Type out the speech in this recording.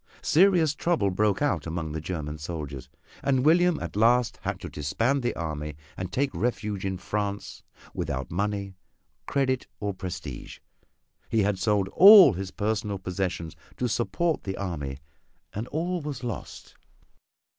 Serious trouble broke out among the German soldiers, and William at last had to disband the army and take refuge in France without money, credit or prestige. He had sold all his personal possessions to support the army and all was lost.